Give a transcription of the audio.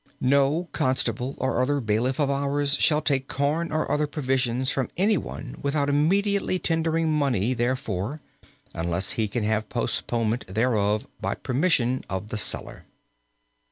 "No constable or other bailiff of ours shall take corn or other provisions from anyone without immediately tendering money therefor, unless he can have postponement thereof by permission of the seller.